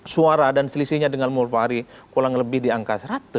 suara dan selisihnya dengan mulvari kurang lebih di angka seratus